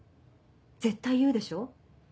絶対言うでしょ？